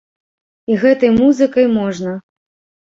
І гэтай музыкай можна.